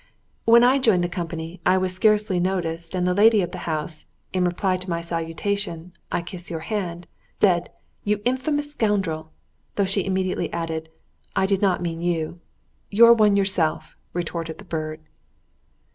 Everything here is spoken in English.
When I joined the company I was scarcely noticed and the lady of the house, in reply to my salutation, "I kiss your hand," said, "You infamous scoundrel!" though she immediately added, "I did not mean you." "You're one yourself," retorted the bird.